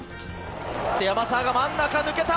山沢が真ん中抜けた。